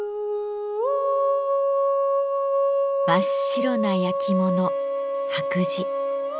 真っ白な焼き物「白磁」。